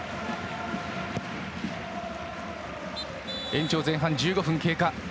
延長前半１５分経過。